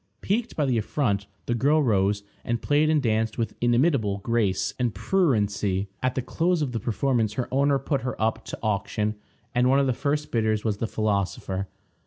Piqued by the affront, the girl rose, and played and danced with inimitable grace and pruriency. At the close of the performance her owner put her up to auction, and one of the first bidders was the philosopher.